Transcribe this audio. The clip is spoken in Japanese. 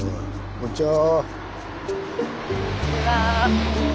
こんにちは。